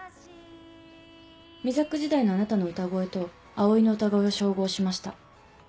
ＭＩＺＡＣ時代のあなたの歌声とＡＯＩの歌声を照合しました。